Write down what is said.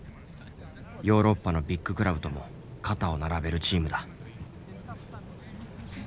ヨーロッパのビッグクラブとも肩を並べるチームだ。